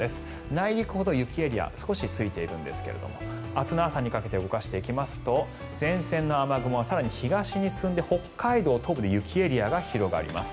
内陸ほど雪エリア少しついているんですが明日の朝にかけて動かしていきますと前線の雨雲は更に東に進んで北海道東部で雪エリアが広がります。